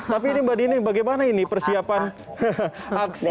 tapi ini mbak dini bagaimana ini persiapan aksi